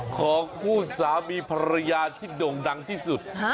ของคู่สามีภรรยาที่โด่งดังที่สุด